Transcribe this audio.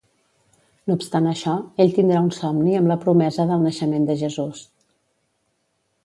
No obstant això, ell tindrà un somni amb la promesa del naixement de Jesús.